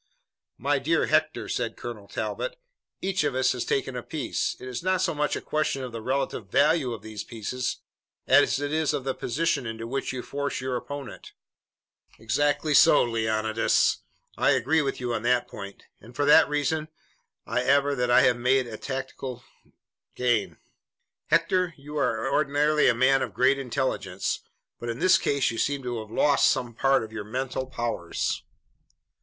"My dear Hector," said Colonel Talbot, "each of us has taken a piece. It is not so much a question of the relative value of these pieces as it is of the position into which you force your opponent." "Exactly so, Leonidas. I agree with you on that point, and for that reason I aver that I have made a tactical gain." "Hector, you are ordinarily a man of great intelligence, but in this case you seem to have lost some part of your mental powers."